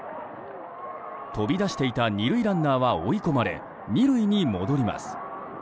飛び出していた２塁ランナーは追い込まれ２塁に戻ります。